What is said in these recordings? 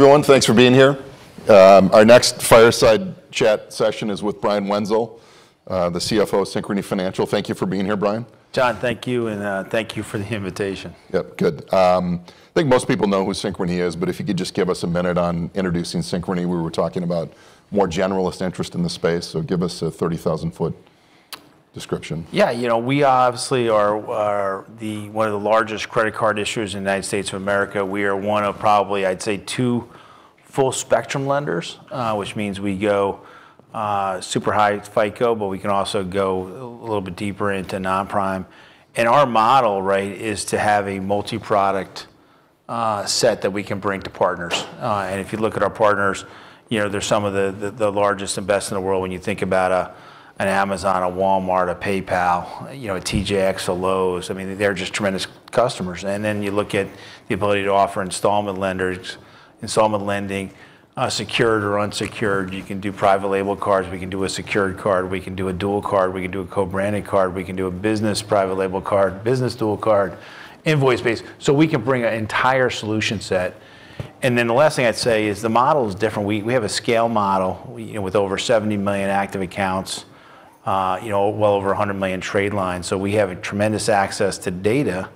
Everyone, thanks for being here. Our next fireside chat session is with Brian Wenzel, the CFO of Synchrony Financial. Thank you for being here, Brian. Jon, thank you, and thank you for the invitation. Yep, good. I think most people know who Synchrony is, but if you could just give us a minute on introducing Synchrony. We were talking about more generalist interest in the space, so give us a 30,000-ft description. Yeah, you know, we obviously are one of the largest credit card issuers in the United States of America. We are one of probably, I'd say, two full spectrum lenders, which means we go super high FICO, but we can also go a little bit deeper into non-prime. Our model, right, is to have a multi-product set that we can bring to partners. If you look at our partners, you know, they're some of the largest and best in the world when you think about an Amazon, a Walmart, a PayPal, you know, a TJX, a Lowe's. I mean, they're just tremendous customers. You look at the ability to offer installment lenders, installment lending, secured or unsecured. You can do private label cards, we can do a secured card, we can do a dual card, we can do a co-branded card, we can do a business private label card, business dual card, invoice-based. We can bring an entire solution set. The last thing I'd say is the model is different. We have a scale model with over 70 million active accounts, you know, well over 100 million trade lines. We have a tremendous access to data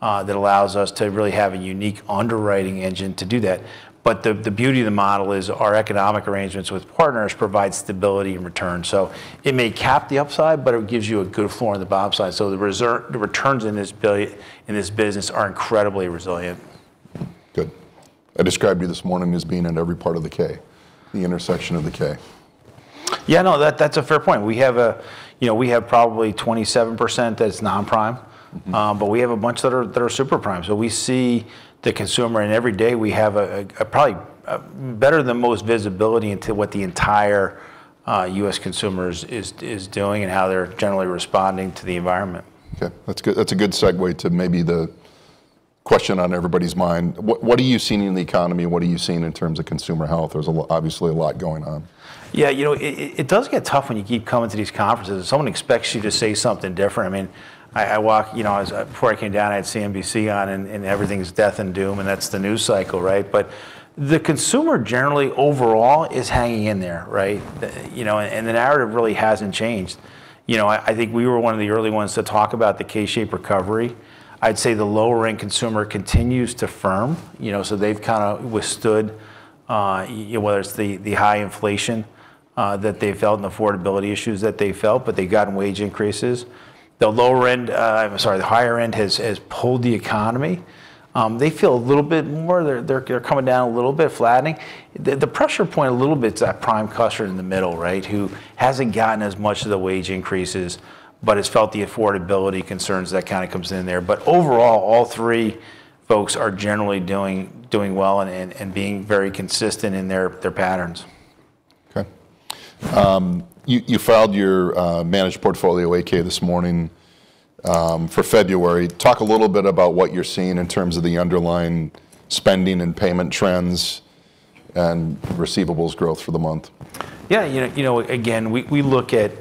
that allows us to really have a unique underwriting engine to do that. The beauty of the model is our economic arrangements with partners provide stability and return. It may cap the upside, but it gives you a good floor on the downside. The returns in this business are incredibly resilient. Good. I described you this morning as being in every part of the K, the intersection of the K. Yeah, no, that's a fair point. You know, we have probably 27% that's non-prime- Mm-hmm We have a bunch that are super prime. We see the consumer, and every day we have a probably better than most visibility into what the entire U.S. consumer is doing and how they're generally responding to the environment. Okay, that's good. That's a good segue to maybe the question on everybody's mind. What are you seeing in the economy? What are you seeing in terms of consumer health? There's obviously a lot going on. Yeah, you know, it does get tough when you keep coming to these conferences, and someone expects you to say something different. I mean, I walk, you know, before I came down. I had CNBC on, and everything's death and doom, and that's the news cycle, right? The consumer generally overall is hanging in there, right? You know, the narrative really hasn't changed. You know, I think we were one of the early ones to talk about the K-shaped recovery. I'd say the lower end consumer continues to firm. You know, they've kinda withstood, you know, whether it's the high inflation that they felt and affordability issues that they felt, but they've gotten wage increases. The lower end, I'm sorry, the higher end has pulled the economy. They feel a little bit more, they're coming down a little bit, flattening. The pressure point a little bit is that prime customer in the middle, right, who hasn't gotten as much of the wage increases, but has felt the affordability concerns that kinda comes in there. Overall, all three folks are generally doing well and being very consistent in their patterns. Okay. You filed your managed portfolio 8-K this morning for February. Talk a little bit about what you're seeing in terms of the underlying spending and payment trends and receivables growth for the month. Yeah, you know, again, we look at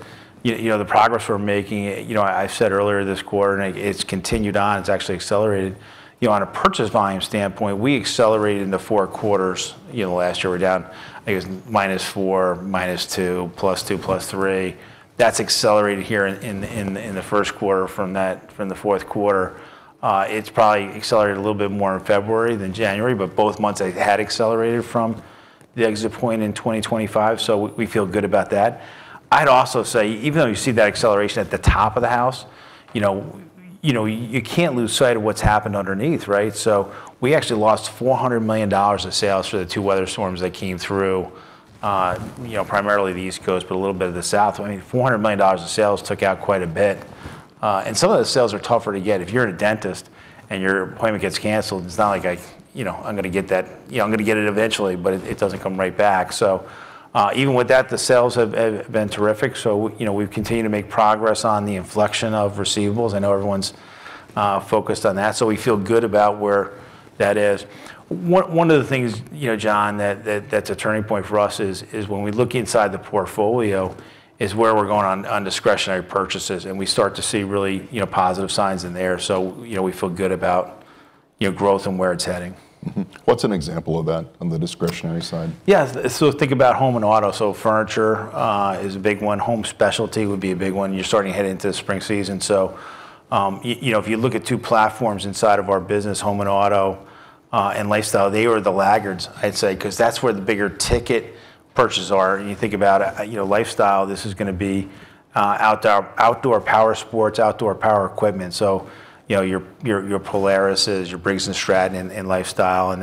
the progress we're making. You know, I said earlier this quarter, and it's continued on, it's actually accelerated. You know, on a purchase volume standpoint, we accelerated into four quarters. You know, last year we're down, I guess, -4%, -2%, +2%, +3%. That's accelerated here in the first quarter from that, from the fourth quarter. It's probably accelerated a little bit more in February than January, but both months had accelerated from the exit point in 2025, so we feel good about that. I'd also say, even though you see that acceleration at the top of the house, you know, you can't lose sight of what's happened underneath, right? We actually lost $400 million of sales for the two weather storms that came through, you know, primarily the East Coast, but a little bit of the South. I mean, $400 million of sales took out quite a bit. Some of the sales are tougher to get. If you're at a dentist and your appointment gets canceled, it's not like, you know, I'm gonna get that. You know, I'm gonna get it eventually, but it doesn't come right back. Even with that, the sales have been terrific. You know, we've continued to make progress on the inflection of receivables. I know everyone's focused on that. We feel good about where that is. One of the things, you know, Jon, that that's a turning point for us is when we look inside the portfolio, where we're going on discretionary purchases, and we start to see really, you know, positive signs in there. You know, we feel good about, you know, growth and where it's heading. Mm-hmm. What's an example of that on the discretionary side? Yeah, think about home and auto. Furniture is a big one. Home specialty would be a big one. You're starting to head into the spring season. You know, if you look at two platforms inside of our business, home and auto, and lifestyle, they were the laggards, I'd say, 'cause that's where the bigger ticket purchases are. You think about, you know, lifestyle, this is gonna be outdoor power sports, outdoor power equipment. You know, your Polaris, your Briggs & Stratton in lifestyle.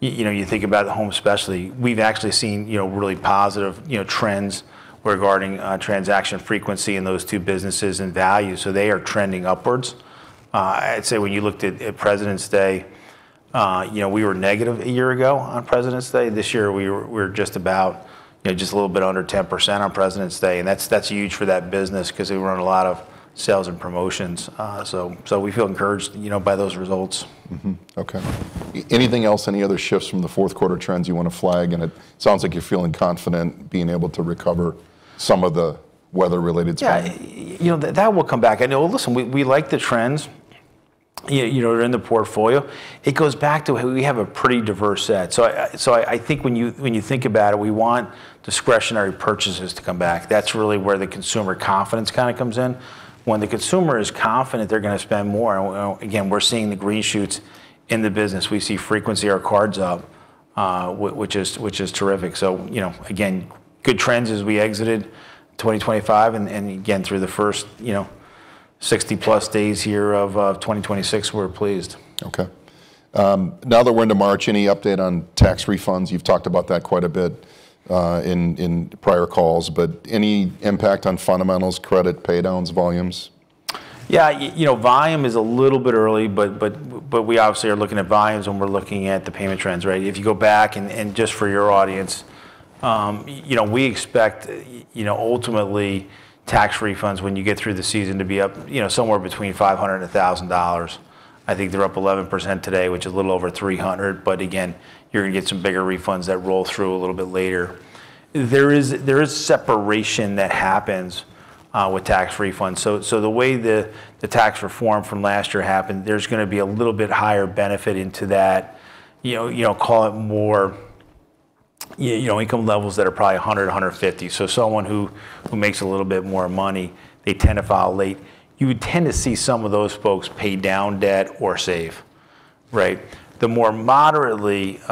You know, you think about home especially. We've actually seen, you know, really positive, you know, trends regarding transaction frequency in those two businesses and value. They are trending upwards. I'd say when you looked at President's Day, you know, we were negative a year ago on President's Day. This year, we were just about, you know, just a little bit under 10% on President's Day. That's huge for that business because they run a lot of sales and promotions. We feel encouraged, you know, by those results. Okay. Anything else, any other shifts from the fourth quarter trends you want to flag? It sounds like you're feeling confident being able to recover some of the weather-related spending. Yeah, you know, that will come back. I know, listen, we like the trends. You know, they're in the portfolio. It goes back to we have a pretty diverse set. I think when you think about it, we want discretionary purchases to come back. That's really where the consumer confidence kind of comes in. When the consumer is confident, they're gonna spend more. You know, again, we're seeing the green shoots in the business. We see frequency on our cards up, which is terrific. You know, again, good trends as we exited 2025, and again, through the first 60+ days here of 2026, we're pleased. Okay. Now that we're into March, any update on tax refunds? You've talked about that quite a bit, in prior calls, but any impact on fundamentals, credit pay downs, volumes? Yeah, you know, volume is a little bit early, but we obviously are looking at volumes when we're looking at the payment trends, right? If you go back and just for your audience, you know, we expect, you know, ultimately tax refunds when you get through the season to be up, you know, somewhere between $500-$1,000. I think they're up 11% today, which is a little over $300. Again, you're gonna get some bigger refunds that roll through a little bit later. There is separation that happens with tax refunds. The way the tax reform from last year happened, there's gonna be a little bit higher benefit into that, you know, call it more, you know, income levels that are probably 100-150. Someone who makes a little bit more money, they tend to file late. You would tend to see some of those folks pay down debt or save, right? The more moderate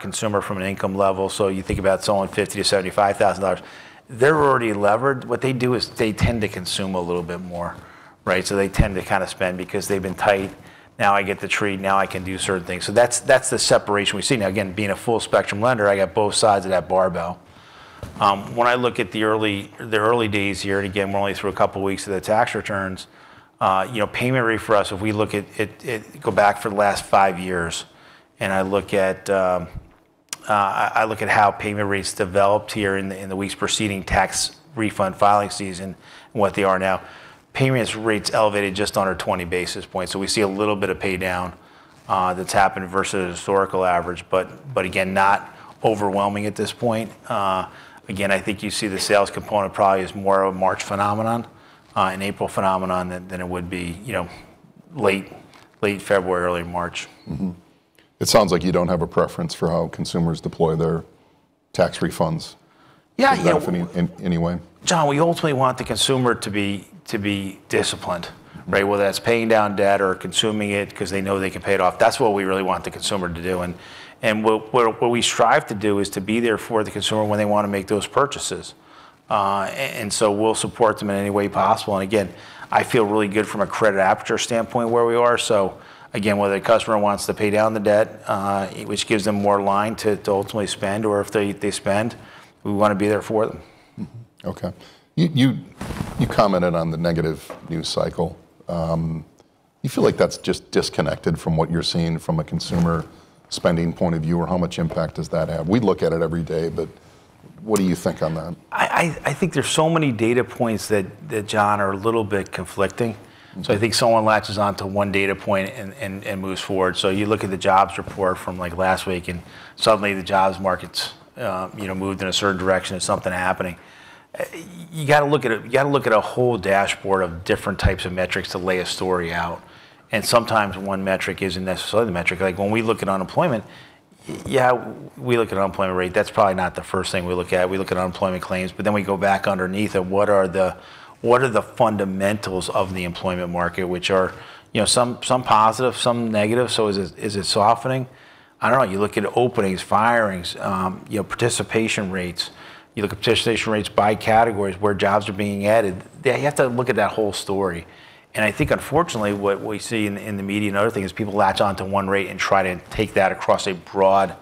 consumer from an income level, so you think about someone $50,000-$75,000, they're already levered. What they do is they tend to consume a little bit more, right? They tend to kind of spend because they've been tight. Now I get to treat, now I can do certain things. That's the separation we've seen. Now again, being a full spectrum lender, I got both sides of that barbell. When I look at the early days here, and again, we're only through a couple weeks of the tax returns, you know, payment rate for us, if we go back for the last five years, and I look at how payment rates developed here in the weeks preceding tax refund filing season and what they are now. Payment rates elevated just under 20 basis points. We see a little bit of pay down that's happened versus historical average, but again, not overwhelming at this point. Again, I think you see the sales component probably is more of a March phenomenon and April phenomenon than it would be, you know, late February, early March. It sounds like you don't have a preference for how consumers deploy their tax refunds. Yeah. You know. in any way. Jon, we ultimately want the consumer to be disciplined, right? Whether that's paying down debt or consuming it 'cause they know they can pay it off. That's what we really want the consumer to do and what we strive to do is to be there for the consumer when they wanna make those purchases. We'll support them in any way possible. I feel really good from a credit aperture standpoint where we are. Again, whether the customer wants to pay down the debt, which gives them more line to ultimately spend, or if they spend, we wanna be there for them. Mm-hmm. Okay. You commented on the negative news cycle. You feel like that's just disconnected from what you're seeing from a consumer spending point of view, or how much impact does that have? We look at it every day, but what do you think on that? I think there's so many data points that Jon are a little bit conflicting. Mm-hmm. I think someone latches on to one data point and moves forward. You look at the jobs report from like last week and suddenly the jobs market's, you know, moved in a certain direction and something happening. You gotta look at a whole dashboard of different types of metrics to lay a story out, and sometimes one metric isn't necessarily the metric. Like when we look at unemployment, yeah, we look at unemployment rate. That's probably not the first thing we look at. We look at unemployment claims, but then we go back underneath it. What are the fundamentals of the employment market, which are, you know, some positive, some negative. Is it softening? I don't know. You look at openings, firings, you know, participation rates. You look at participation rates by categories where jobs are being added. You have to look at that whole story. I think unfortunately, what we see in the media and other thing is people latch on to one rate and try to take that across a broad,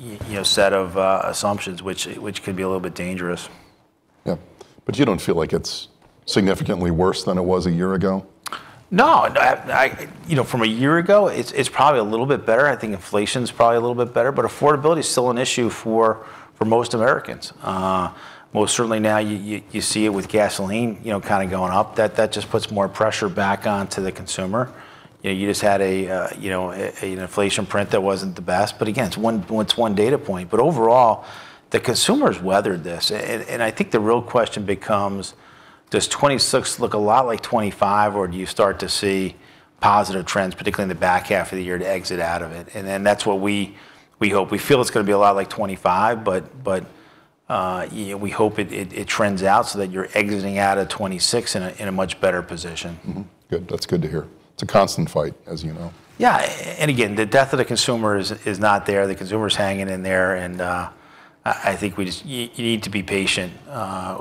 you know, set of assumptions which could be a little bit dangerous. Yeah. You don't feel like it's significantly worse than it was a year ago? No, you know, from a year ago, it's probably a little bit better. I think inflation's probably a little bit better, but affordability is still an issue for most Americans. Most certainly now you see it with gasoline, you know, kind of going up. That just puts more pressure back onto the consumer. You know, you just had a, you know, an inflation print that wasn't the best. But again, well, it's one data point. But overall, the consumer's weathered this. I think the real question becomes, does 2026 look a lot like 2025, or do you start to see positive trends, particularly in the back half of the year to exit out of it? Then that's what we hope. We feel it's gonna be a lot like 2025, but you know, we hope it trends out so that you're exiting out of 2026 in a much better position. Good. That's good to hear. It's a constant fight, as you know. Yeah. Again, the death of the consumer is not there. The consumer's hanging in there and I think you need to be patient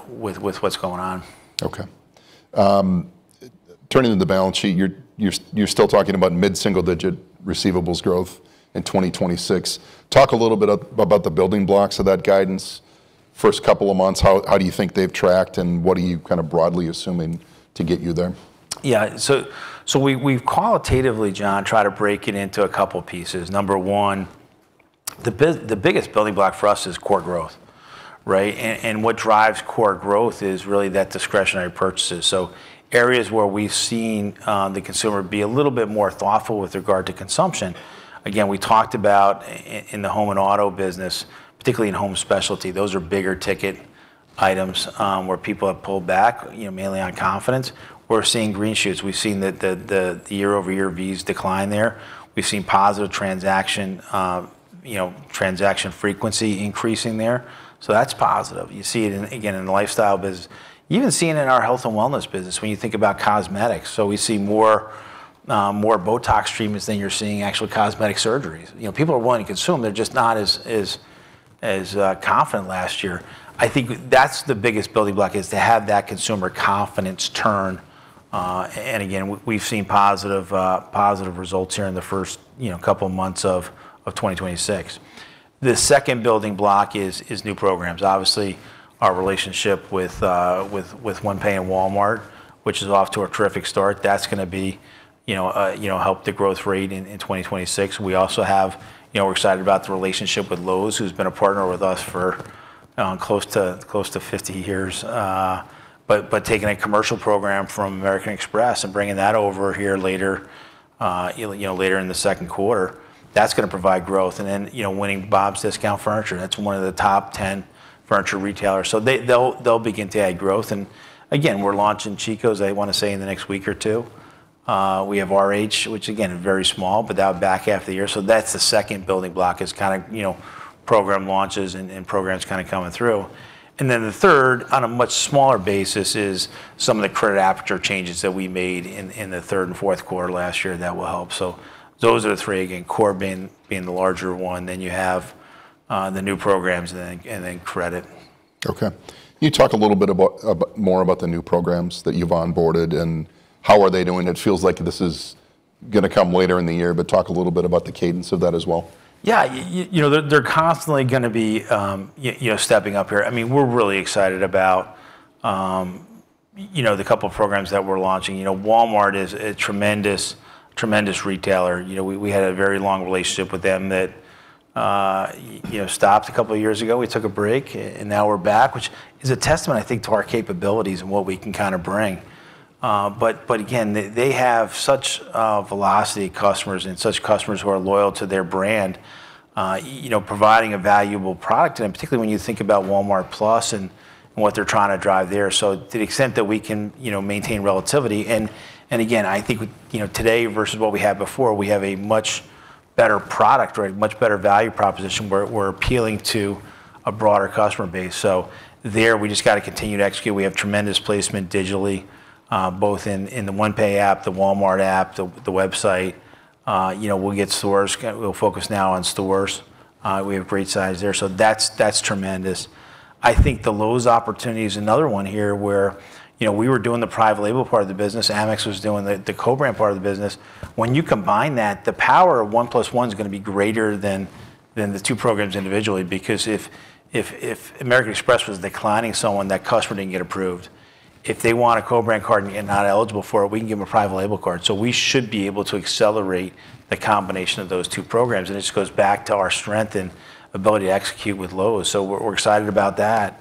with what's going on. Okay. Turning to the balance sheet, you're still talking about mid-single digit receivables growth in 2026. Talk a little bit about the building blocks of that guidance. First couple of months, how do you think they've tracked, and what are you kind of broadly assuming to get you there? Yeah. We've qualitatively, Jon, tried to break it into a couple pieces. Number one, the biggest building block for us is core growth, right? What drives core growth is really that discretionary purchases. Areas where we've seen the consumer be a little bit more thoughtful with regard to consumption. Again, we talked about in the home and auto business, particularly in home specialty, those are bigger ticket items where people have pulled back, you know, mainly on confidence. We're seeing green shoots. We've seen the year-over-year declines there. We've seen positive transaction, you know, transaction frequency increasing there. That's positive. You see it in, again, in the lifestyle business. You even see it in our health and wellness business when you think about cosmetics. We see more BOTOX treatments than you're seeing actual cosmetic surgeries. You know, people are willing to consume, they're just not as confident last year. I think that's the biggest building block, is to have that consumer confidence turn. Again, we've seen positive results here in the first, you know, couple of months of 2026. The second building block is new programs. Obviously, our relationship with OnePay and Walmart, which is off to a terrific start. That's gonna be, you know, help the growth rate in 2026. We also have, you know, we're excited about the relationship with Lowe's, who's been a partner with us for close to 50 years. Taking a commercial program from American Express and bringing that over here later, you know, later in the second quarter, that's gonna provide growth. You know, winning Bob's Discount Furniture, that's one of the top 10 furniture retailers. They'll begin to add growth. Again, we're launching Chico's, I wanna say in the next week or two. We have RH, which again, very small, but that'll back half the year. That's the second building block, is kinda, you know, program launches and programs kinda coming through. The third, on a much smaller basis, is some of the credit aperture changes that we made in the third and fourth quarter last year that will help. Those are the three. Again, core being the larger one, then you have the new programs then, and then credit. Okay. Can you talk a little bit about more about the new programs that you've onboarded, and how are they doing? It feels like this is gonna come later in the year, but talk a little bit about the cadence of that as well. Yeah. You know, they're constantly gonna be, you know, stepping up here. I mean, we're really excited about, you know, the couple programs that we're launching. You know, Walmart is a tremendous retailer. You know, we had a very long relationship with them that, you know, stopped a couple years ago. We took a break, and now we're back, which is a testament, I think, to our capabilities and what we can kinda bring. But again, they have such velocity customers and such customers who are loyal to their brand, you know, providing a valuable product. Particularly when you think about Walmart+ and what they're trying to drive there. To the extent that we can, you know, maintain relevancy. Again, I think, you know, today versus what we had before, we have a much better product or a much better value proposition where we're appealing to a broader customer base. We just gotta continue to execute. We have tremendous placement digitally, both in the OnePay app, the Walmart app, the website. You know, we'll get stores. We'll focus now on stores. We have great size there. That's tremendous. I think the Lowe's opportunity is another one here, where, you know, we were doing the private label part of the business. Amex was doing the co-branded part of the business. When you combine that, the power of 1+1 is gonna be greater than the two programs individually. Because if American Express was declining someone, that customer didn't get approved. If they want a co-branded card and not eligible for it, we can give them a private label card. We should be able to accelerate the combination of those two programs. This goes back to our strength and ability to execute with Lowe's. We're excited about that.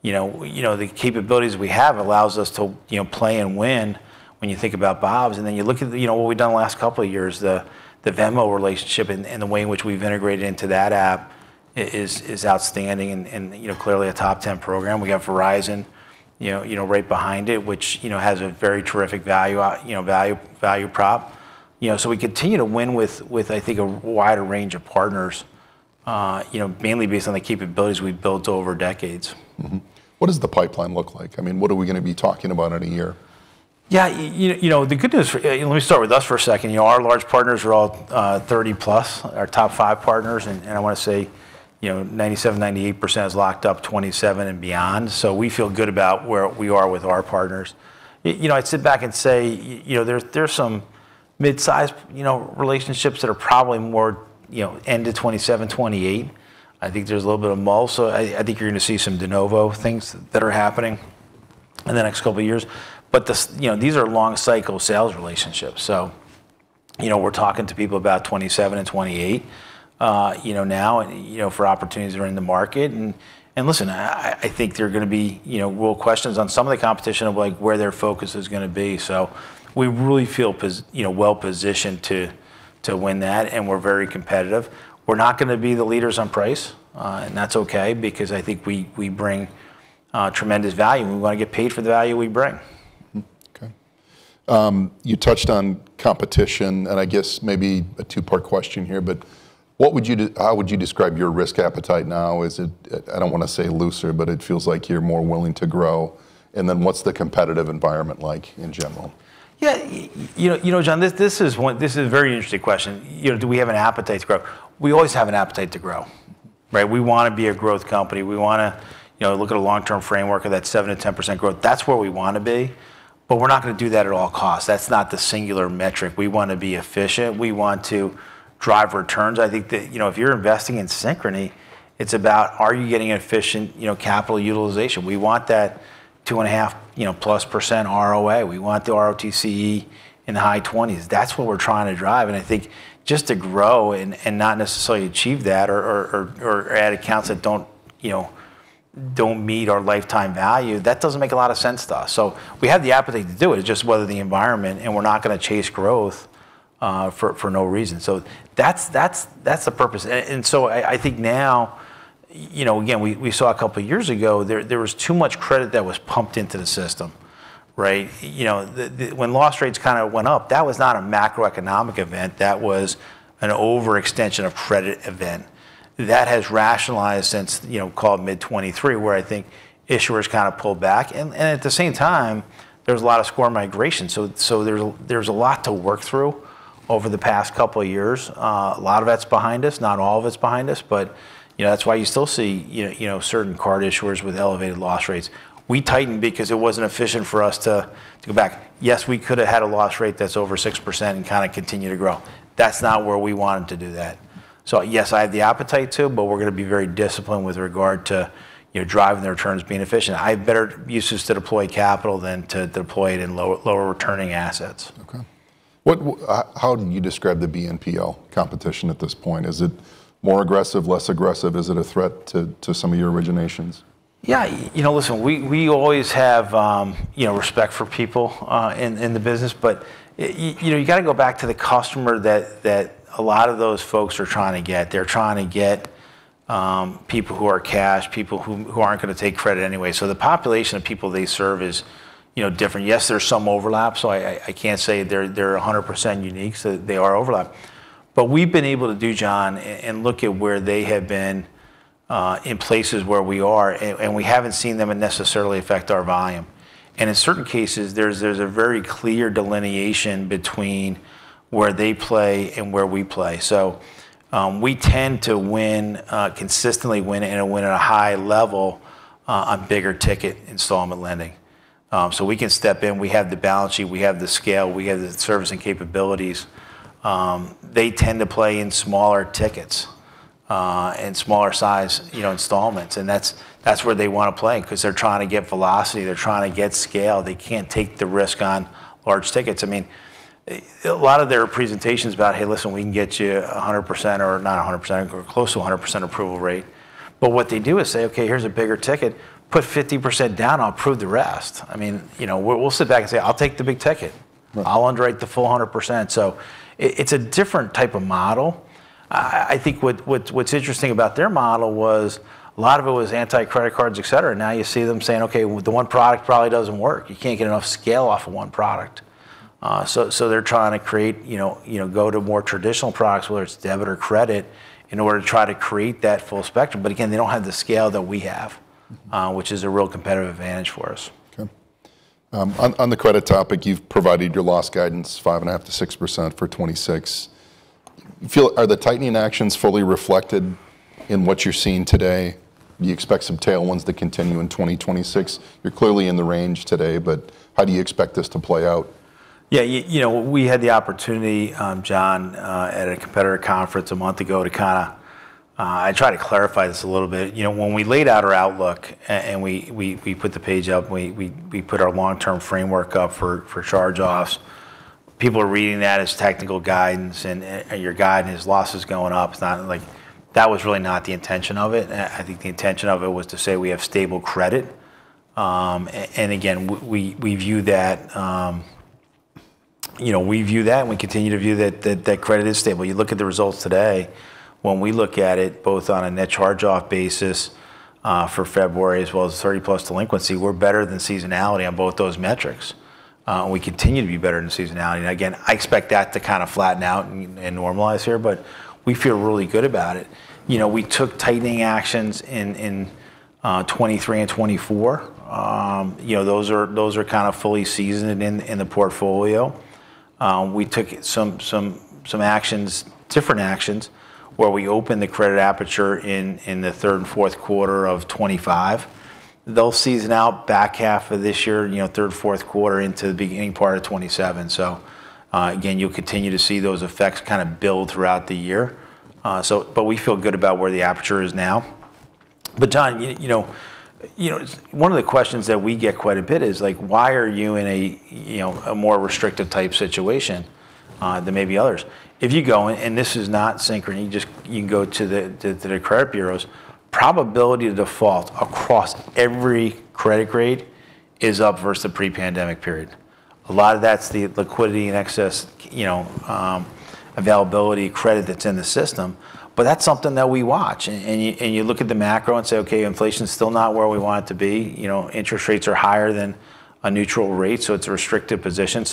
You know, the capabilities we have allows us to, you know, play and win when you think about Bob's. Then you look at, you know, what we've done the last couple of years. The Venmo relationship and the way in which we've integrated into that app is outstanding and you know clearly a top ten program. We have Verizon, you know, right behind it, which you know has a very terrific value, you know, value prop. You know, we continue to win with, I think, a wider range of partners, you know, mainly based on the capabilities we've built over decades. What does the pipeline look like? I mean, what are we gonna be talking about in a year? Yeah, you know. Let me start with us for a second. You know, our large partners are all 30+, our top five partners. I wanna say, you know, 97%-98% is locked up 2027 and beyond. We feel good about where we are with our partners. You know, I'd sit back and say, you know, there's some mid-size relationships that are probably more end of 2027, 2028. I think there's a little bit more. I think you're gonna see some de novo things that are happening in the next couple of years. You know, these are long cycle sales relationships. You know, we're talking to people about 2027 and 2028, you know, now, you know, for opportunities that are in the market. Listen, I think there are gonna be, you know, real questions on some of the competition of, like, where their focus is gonna be. We really feel you know, well-positioned to win that, and we're very competitive. We're not gonna be the leaders on price, and that's okay, because I think we bring tremendous value, and we wanna get paid for the value we bring. Okay. You touched on competition, and I guess maybe a two-part question here, but how would you describe your risk appetite now? Is it, I don't wanna say looser, but it feels like you're more willing to grow. What's the competitive environment like in general? Yeah, you know, Jon, this is a very interesting question. You know, do we have an appetite to grow? We always have an appetite to grow, right? We wanna be a growth company. We wanna, you know, look at a long-term framework of that 7%-10% growth. That's where we wanna be, but we're not gonna do that at all costs. That's not the singular metric. We want to be efficient. We want to drive returns. I think that, you know, if you're investing in Synchrony, it's about are you getting efficient, you know, capital utilization. We want that 2.5%+ ROA. We want the ROTCE in the high 20s. That's what we're trying to drive. I think just to grow and not necessarily achieve that or add accounts that don't, you know, meet our lifetime value, that doesn't make a lot of sense to us. We have the appetite to do it. It's just whether the environment, and we're not gonna chase growth for no reason. That's the purpose. I think now, you know, again, we saw a couple years ago, there was too much credit that was pumped into the system, right? You know, when loss rates kind of went up, that was not a macroeconomic event. That was an overextension of credit event. That has rationalized since, you know, call it mid-2023, where I think issuers kind of pulled back. At the same time, there was a lot of score migration. There's a lot to work through over the past couple years. A lot of that's behind us. Not all of it's behind us. You know, that's why you still see, you know, certain card issuers with elevated loss rates. We tightened because it wasn't efficient for us to go back. Yes, we could've had a loss rate that's over 6% and kind of continue to grow. That's not where we wanted to do that. Yes, I have the appetite to, but we're gonna be very disciplined with regard to, you know, driving the returns, being efficient. I have better uses to deploy capital than to deploy it in lower returning assets. Okay. How do you describe the BNPL competition at this point? Is it more aggressive, less aggressive? Is it a threat to some of your originations? Yeah. You know, listen, we always have, you know, respect for people in the business. You know, you gotta go back to the customer that a lot of those folks are trying to get. They're trying to get people who are cash, people who aren't gonna take credit anyway. The population of people they serve is, you know, different. Yes, there's some overlap, so I can't say they're 100% unique, so there is overlap. We've been able to do, Jon, and look at where they have been in places where we are. We haven't seen them necessarily affect our volume. In certain cases, there's a very clear delineation between where they play and where we play. We tend to win consistently at a high level on bigger ticket installment lending. We can step in. We have the balance sheet. We have the scale. We have the servicing capabilities. They tend to play in smaller tickets and smaller size, you know, installments. That's where they want to play because they're trying to get velocity. They're trying to get scale. They can't take the risk on large tickets. I mean, a lot of their presentation is about, "Hey, listen, we can get you 100% or not 100%, or close to 100% approval rate." What they do is say, "Okay, here's a bigger ticket. Put 50% down. I'll approve the rest." I mean, you know, we'll sit back and say, "I'll take the big ticket. Mm. I'll underwrite the full 100%." It's a different type of model. I think what's interesting about their model was a lot of it was anti-credit cards, et cetera. Now you see them saying, "Okay, the one product probably doesn't work." You can't get enough scale off of one product. So they're trying to create, you know, go to more traditional products, whether it's debit or credit, in order to try to create that full spectrum. But again, they don't have the scale that we have, which is a real competitive advantage for us. Okay. On the credit topic, you've provided your loss guidance 5.5%-6% for 2026. Are the tightening actions fully reflected in what you're seeing today? Do you expect some tailwinds to continue in 2026? You're clearly in the range today, but how do you expect this to play out? You know, we had the opportunity, Jon, at a competitor conference a month ago to kind of try to clarify this a little bit. You know, when we laid out our outlook and we put the page up, we put our long-term framework up for charge-offs, people are reading that as technical guidance and your guidance is losses going up. It's not like that. That was really not the intention of it. I think the intention of it was to say we have stable credit. And again, we view that, you know, we view that and we continue to view that credit is stable. You look at the results today, when we look at it both on a net charge-off basis for February as well as 30+ delinquency, we're better than seasonality on both those metrics. We continue to be better than seasonality. Again, I expect that to kind of flatten out and normalize here, but we feel really good about it. You know, we took tightening actions in 2023 and 2024. You know, those are kind of fully seasoned in the portfolio. We took some actions, different actions, where we opened the credit aperture in the third and fourth quarter of 2025. They'll season out back half of this year, you know, third, fourth quarter into the beginning part of 2027. Again, you'll continue to see those effects kind of build throughout the year. We feel good about where the aperture is now. Jon, you know, one of the questions that we get quite a bit is like, why are you in a, you know, a more restrictive type situation than maybe others? If you go, this is not Synchrony, just you can go to the credit bureaus, probability of default across every credit grade is up versus the pre-pandemic period. A lot of that's the liquidity and excess, you know, availability credit that's in the system, but that's something that we watch. You look at the macro and say, "Okay, inflation's still not where we want it to be. You know, interest rates are higher than a neutral rate, so it's a restricted position."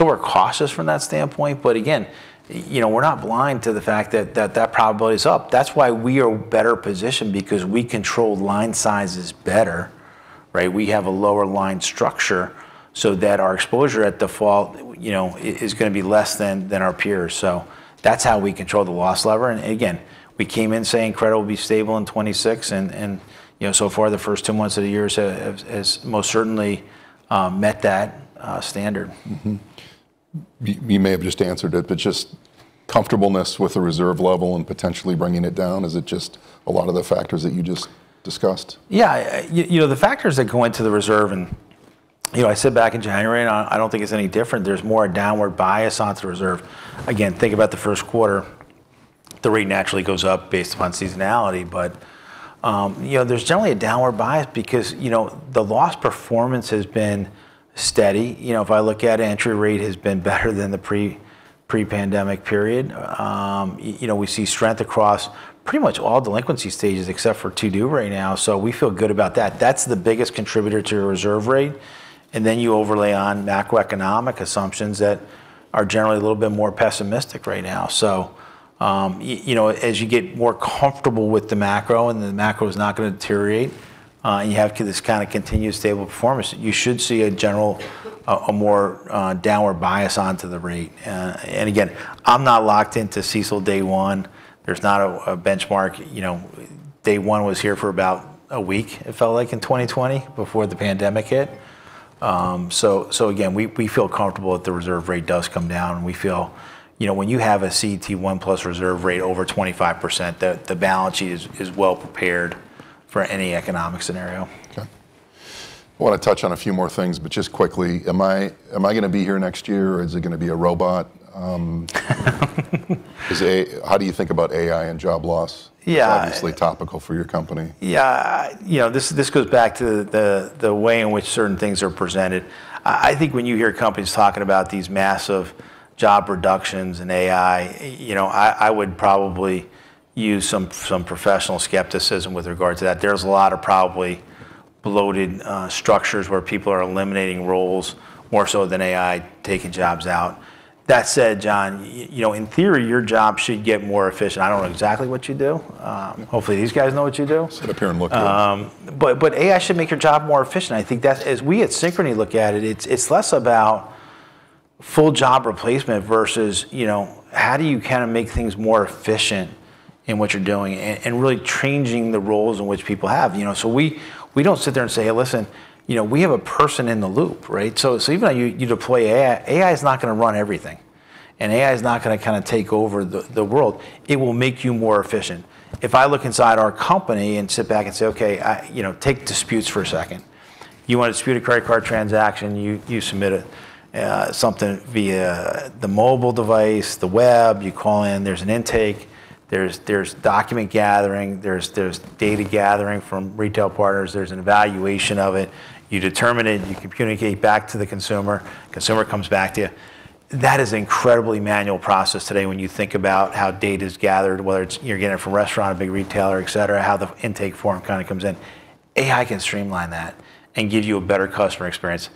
We're cautious from that standpoint. Again, you know, we're not blind to the fact that probability is up. That's why we are better positioned because we control line sizes better, right? We have a lower line structure so that our exposure at default, you know, is gonna be less than our peers. So that's how we control the loss lever. Again, we came in saying credit will be stable in 2026 and, you know, so far the first two months of the year has most certainly met that standard. You may have just answered it, but just comfort with the reserve level and potentially bringing it down. Is it just a lot of the factors that you just discussed? Yeah. You know, the factors that go into the reserve and, you know, I said back in January and I don't think it's any different. There's more a downward bias on the reserve. Again, think about the first quarter. The rate naturally goes up based upon seasonality. You know, there's generally a downward bias because, you know, the loss performance has been steady. You know, if I look at entry rate has been better than the pre-pandemic period. You know, we see strength across pretty much all delinquency stages except for 2D right now, so we feel good about that. That's the biggest contributor to your reserve rate. You overlay on macroeconomic assumptions that are generally a little bit more pessimistic right now. You know, as you get more comfortable with the macro and the macro is not gonna deteriorate, and you have this kind of continued stable performance, you should see a general, a more downward bias onto the rate. And again, I'm not locked into CECL day one. There's not a benchmark. You know, day one was here for about a week, it felt like, in 2020 before the pandemic hit. We feel comfortable that the reserve rate does come down. We feel, you know, when you have a CET1+ reserve rate over 25%, the balance sheet is well prepared for any economic scenario. Okay. I wanna touch on a few more things, but just quickly, am I gonna be here next year, or is it gonna be a robot? How do you think about AI and job loss? Yeah. It's obviously topical for your company. Yeah. You know, this goes back to the way in which certain things are presented. I think when you hear companies talking about these massive job reductions and AI, you know, I would probably use some professional skepticism with regard to that. There's a lot of probably bloated structures where people are eliminating roles more so than AI taking jobs out. That said, Jon, you know, in theory, your job should get more efficient. I don't know exactly what you do. Hopefully these guys know what you do. Sit up here and look good. AI should make your job more efficient. I think that's as we at Synchrony look at it. It's less about full job replacement versus, you know, how do you kinda make things more efficient in what you're doing and really changing the roles in which people have. You know, we don't sit there and say, "Hey, listen, you know, we have a person in the loop," right? Even though you deploy AI is not gonna run everything, and AI is not gonna kinda take over the world. It will make you more efficient. If I look inside our company and sit back and say, okay, you know, take disputes for a second. You wanna dispute a credit card transaction, you submit something via the mobile device, the web, you call in. There's an intake, there's document gathering, there's data gathering from retail partners, there's an evaluation of it. You determine it, you communicate back to the consumer comes back to you. That is incredibly manual process today when you think about how data is gathered, whether it's you're getting it from a restaurant, a big retailer, et cetera, how the intake form kinda comes in. AI can streamline that and give you a better customer experience.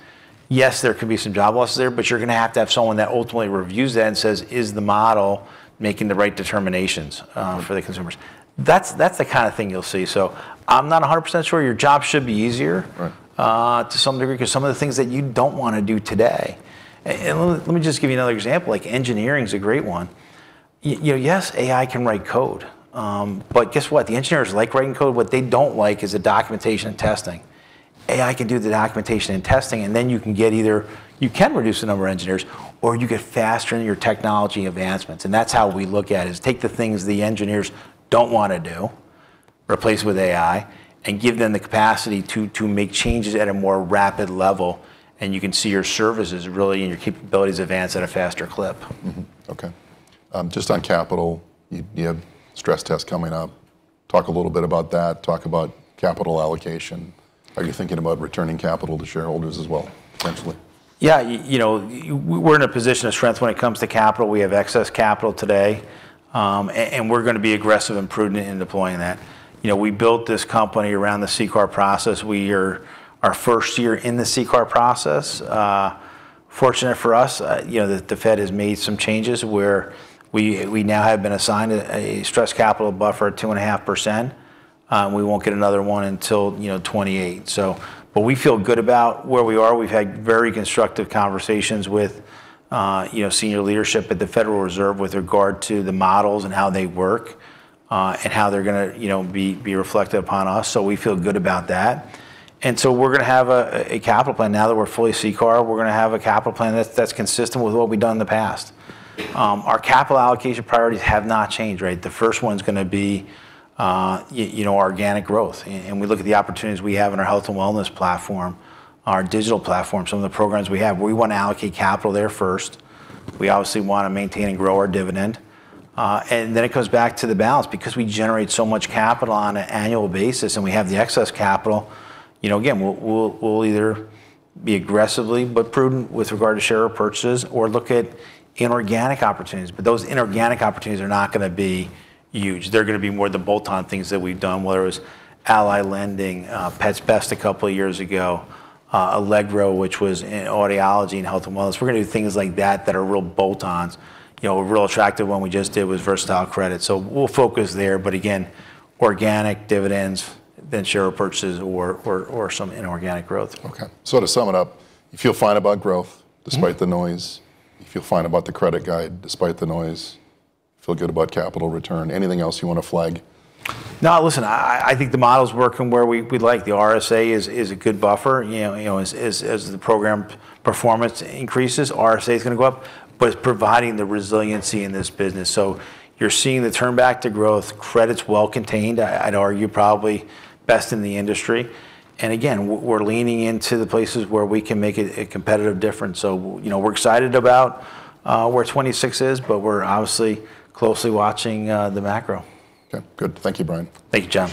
Yes, there could be some job losses there, but you're gonna have to have someone that ultimately reviews that and says, "Is the model making the right determinations for the consumers?" That's the kinda thing you'll see. I'm not 100% sure. Your job should be easier. Right To some degree, 'cause some of the things that you don't wanna do today. Let me just give you another example, like engineering is a great one. You know, yes, AI can write code. But guess what? The engineers like writing code. What they don't like is the documentation and testing. AI can do the documentation and testing, and then you can get either you can reduce the number of engineers, or you get faster in your technology advancements, and that's how we look at it, is take the things the engineers don't wanna do, replace with AI, and give them the capacity to make changes at a more rapid level, and you can see your services really and your capabilities advance at a faster clip. Okay. Just on capital, you have stress test coming up. Talk a little bit about that. Talk about capital allocation. Are you thinking about returning capital to shareholders as well eventually? Yeah. You know, we're in a position of strength when it comes to capital. We have excess capital today. We're gonna be aggressive and prudent in deploying that. You know, we built this company around the CCAR process. We're in our first year in the CCAR process. Fortunate for us, you know, the Fed has made some changes where we now have been assigned a stress capital buffer of 2.5%. We won't get another one until, you know, 2028. But we feel good about where we are. We've had very constructive conversations with, you know, senior leadership at the Federal Reserve with regard to the models and how they work, and how they're gonna, you know, be reflected upon us, so we feel good about that. We're gonna have a capital plan now that we're fully CCAR. We're gonna have a capital plan that's consistent with what we've done in the past. Our capital allocation priorities have not changed, right? The first one's gonna be you know, organic growth. And we look at the opportunities we have in our health and wellness platform, our digital platform, some of the programs we have. We want to allocate capital there first. We obviously wanna maintain and grow our dividend. Then it comes back to the balance, because we generate so much capital on an annual basis, and we have the excess capital. You know, again, we'll either be aggressive but prudent with regard to share purchases or look at inorganic opportunities. Those inorganic opportunities are not gonna be huge. They're gonna be more the bolt-on things that we've done, whether it's Ally Lending, Pets Best a couple years ago, Allegro, which was in audiology and health and wellness. We're gonna do things like that that are real bolt-ons. You know, a real attractive one we just did was Versatile Credit. We'll focus there, but again, organic dividends, then share purchases or some inorganic growth. Okay. To sum it up, you feel fine about growth- Mm-hmm Despite the noise. You feel fine about the credit guide despite the noise. Feel good about capital return. Anything else you wanna flag? No. Listen, I think the model's working where we like. The RSA is a good buffer. You know, as the program performance increases, RSA is gonna go up, but it's providing the resiliency in this business. You're seeing the turn back to growth. Credit's well contained. I'd argue probably best in the industry. Again, we're leaning into the places where we can make a competitive difference. You know, we're excited about where 2026 is, but we're obviously closely watching the macro. Okay. Good. Thank you, Brian. Thank you, Jon.